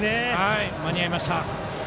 間に合いました。